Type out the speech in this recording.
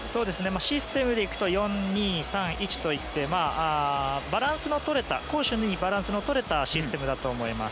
システムでいくと４−２−３−１といって攻守ともにバランスのとれたシステムだと思います。